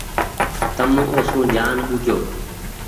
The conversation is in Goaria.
تم او سون جآن ٻوجوُ ۔